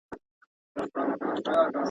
¬ په سپکو سپکتيا، په درنو درنتيا.